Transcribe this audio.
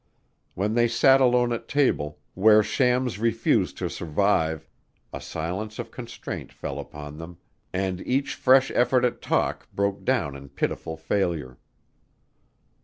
When they sat alone at table, where shams refuse to survive, a silence of constraint fell upon them and each fresh effort at talk broke down in pitiful failure.